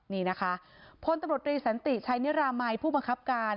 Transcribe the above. นี่นะคะพลตำรวจรีสันติชัยนิรามัยผู้บังคับการ